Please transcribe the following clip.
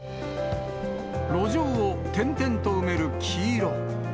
路上を点々と埋める黄色。